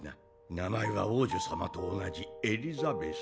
名前は王女様と同じエリザベス。